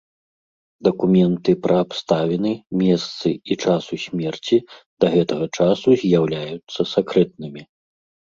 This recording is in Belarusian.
Дакументы пра абставіны, месцы і часу смерці да гэтага часу з'яўляюцца сакрэтнымі.